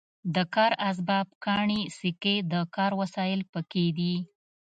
د کار اسباب ګاڼې سکې د ښکار وسایل پکې دي.